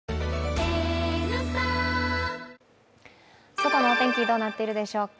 外のお天気、どうなっているでしょうか。